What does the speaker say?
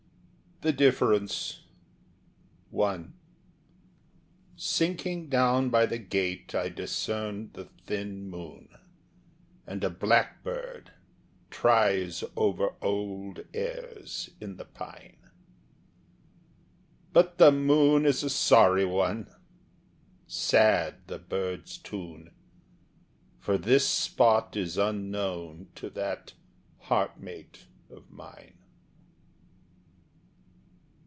THE DIFFERENCE I SINKING down by the gate I discern the thin moon, And a blackbird tries over old airs in the pine, But the moon is a sorry one, sad the bird's tune, For this spot is unknown to that Heartmate of mine.